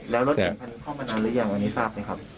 แล้วรถเก่งคันนี้เข้ามานานหรือยังวันนี้ทราบไหมครับ